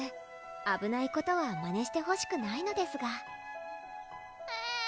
あぶないことはまねしてほしくないのですがふぇん！